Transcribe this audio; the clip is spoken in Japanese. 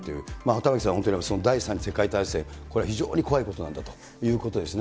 玉城さん、本当に第３次世界大戦、これは非常に怖いことなんだということですね。